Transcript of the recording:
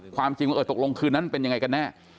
ความจริงว่าเออตกลงคืนนั้นเป็นยังไงกันแน่